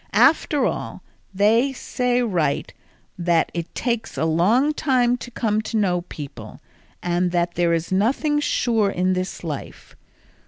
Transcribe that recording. After all, they say right that it takes a long time to come to know people, and that there is nothing sure in this life.